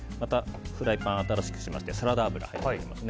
フライパンを新しくしましてサラダ油が入ってます。